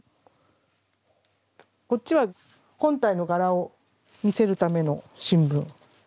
こっちは本体の柄を見せるための新聞。